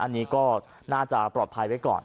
อันนี้ก็น่าจะปลอดภัยไว้ก่อน